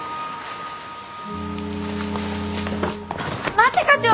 待って課長！